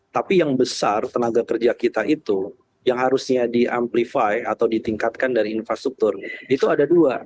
tapi yang besar tenaga kerja kita itu yang harusnya di amplify atau ditingkatkan dari infrastruktur itu ada dua